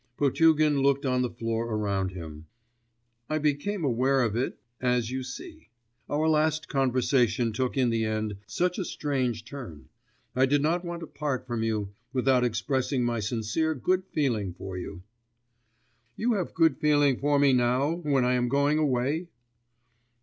Potugin looked on the floor around him.... 'I became aware of it ... as you see. Our last conversation took in the end such a strange turn.... I did not want to part from you without expressing my sincere good feeling for you.' 'You have good feeling for me now ... when I am going away?